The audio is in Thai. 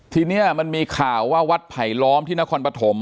ทีนี้มันมีข่าวว่าวัดไผลล้อมที่นครปฐม